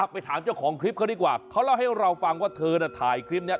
ไปถามเจ้าของคลิปเขาดีกว่าเขาเล่าให้เราฟังว่าเธอน่ะถ่ายคลิปนี้